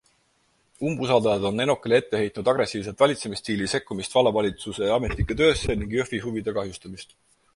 Umbusaldajad on Enokile ette heitnud agressiivset valitsemisstiili, sekkumist vallavalitsuse ametnike töösse ning Jõhvi huvide kahjustamist.